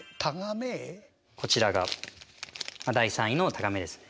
こちらが第３位のタガメですね。